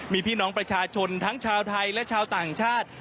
มีพี่น้องประชาชนทั้งชาวไทยและชาวต่างชาติ